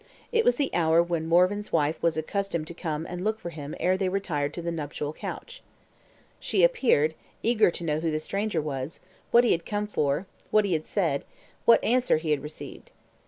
It was the hour when Morvan's wife was accustomed to come and look for him ere they retired to the nuptial couch. She appeared, eager to know who the stranger was, what he had come for, what he had said, what answer he had received.